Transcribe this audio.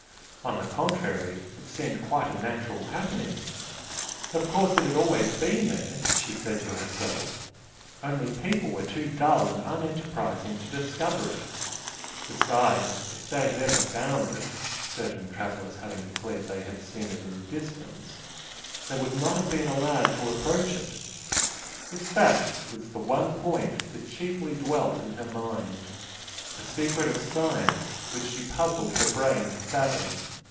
On the contrary it seemed quite a natural happening. Of course it had always been there, she said to herself, only people were too dull and unenterprising to discover it, besides, if they had ever found it (certain travellers having declared they had seen it in the distance) they would not have been allowed to approach it. This fact was the one point that chiefly dwelt in her mind a secret of science which she puzzled her brain to fathom.